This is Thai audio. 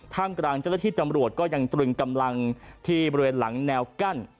กลางเจ้าหน้าที่ตำรวจก็ยังตรึงกำลังที่บริเวณหลังแนวกั้น